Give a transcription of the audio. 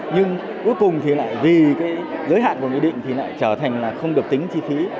nhưng cuối cùng thì lại vì giới hạn của định thì lại trở thành không được tính chi phí